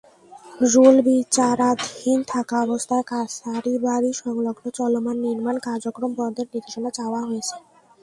Rule বিচারাধীন থাকা অবস্থায় কাছারিবাড়ি-সংলগ্ন চলমান নির্মাণ কার্যক্রম বন্ধের নির্দেশনা চাওয়া হয়েছে।